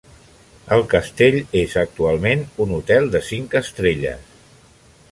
El castell és actualment un hotel de cinc estrelles.